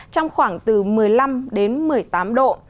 trong khoảng từ một mươi năm đến một mươi tám độ